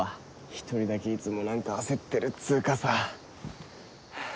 １人だけいつも何か焦ってるっつうかさ。